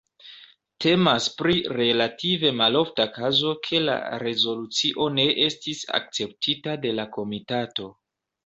Temas pri relative malofta kazo ke la rezolucio ne estis akceptita de la komitato.